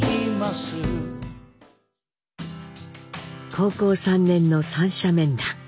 高校３年の三者面談。